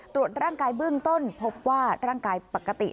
ตรวจร่างกายเบื้องต้นพบว่าร่างกายปกติ